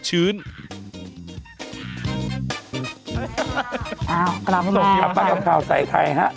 ส่องกราบป้านลำคาวใส่ใครฮะ